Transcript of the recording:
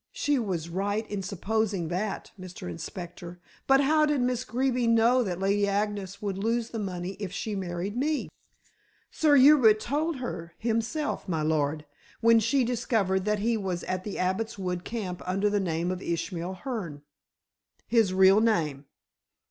"She was right in supposing that, Mr. Inspector, but how did Miss Greeby know that Lady Agnes would lose the money if she married me?" "Sir Hubert told her so himself, my lord, when she discovered that he was at the Abbot's Wood camp under the name of Ishmael Hearne." "His real name."